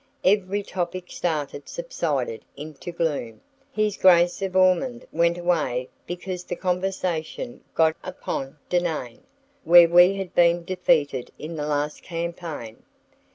Every topic started subsided into gloom. His Grace of Ormonde went away because the conversation got upon Denain, where we had been defeated in the last campaign.